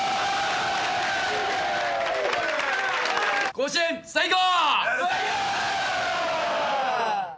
甲子園、最高！